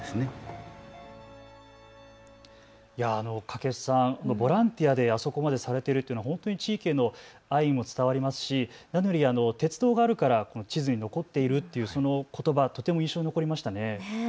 掛須さん、ボランティアであそこまでされているというのは本当に地域の愛も伝わりますし鉄道があるから地図に残っているというそのことば、とても印象に残りましたね。